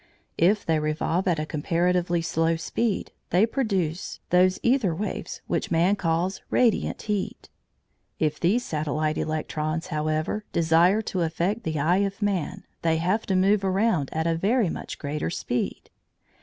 If they revolve at a comparatively slow speed they produce those æther waves which man calls radiant heat. If these satellite electrons, however, desire to affect the eye of man, they have to move around at a very much greater speed.